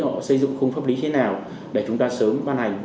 họ xây dựng khung pháp lý thế nào để chúng ta sớm ban hành